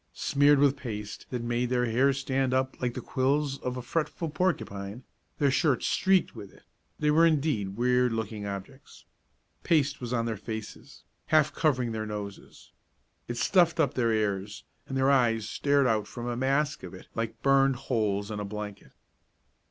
Smeared with paste that made their hair stand up like the quills of a fretful porcupine, their shirts streaked with it, they were indeed weird looking objects. Paste was on their faces, half covering their noses. It stuffed up their ears and their eyes stared out from a mask of it like burned holes in a blanket.